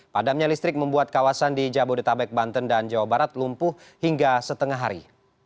padamnya listrik membuat kawasan di jabodetabek banten dan jawa barat lumpuh hingga setengah hari